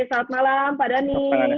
selamat malam pak dhani